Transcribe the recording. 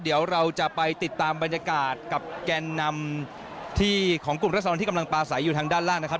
เดี๋ยวเราจะไปติดตามบรรยากาศกับแกนนำที่ของกลุ่มรัศดรที่กำลังปลาใสอยู่ทางด้านล่างนะครับ